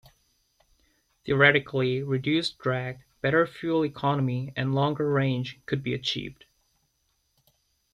Theoretically, reduced drag, better fuel economy and longer range could be achieved.